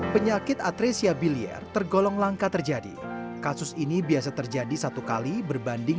penyakit atresia bilier tergolong langka terjadi kasus ini biasa terjadi satu kali berbanding